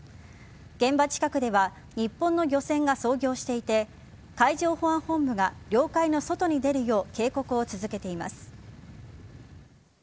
現場近くでは日本の漁船が操業していて海上保安本部は領海の外に出るよう警告を続けています。